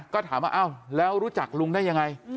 ก็ถามว่าแล้วรู้จักลุงได้อย่างไร